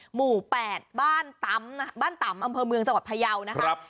หมู่๘บ้านตำบ้านตำอำเภอเมืองสวัสดิ์พยาวนะครับ